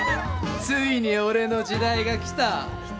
ついに俺の時代が来た。